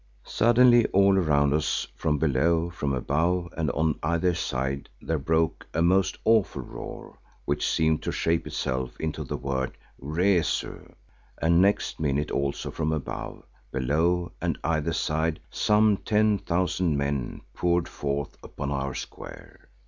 Suddenly all around us, from below, from above and on either side there broke a most awful roar which seemed to shape itself into the word, Rezu, and next minute also from above, below and either side, some ten thousand men poured forth upon our square.